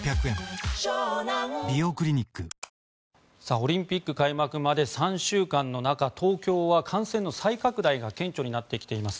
オリンピック開幕まで３週間の中東京は感染の再拡大が顕著になってきています。